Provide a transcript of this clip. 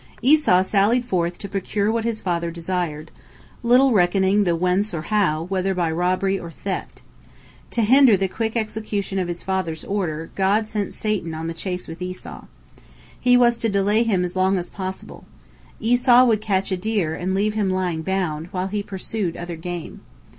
Esau sallied forth to procure what his father desired, little recking the whence or how, whether by robbery or theft. To hinder the quick execution of his father's order, God sent Satan on the chase with Esau. He was to delay him as long as possible. Esau would catch a deer and leave him lying bound, while he pursued other game.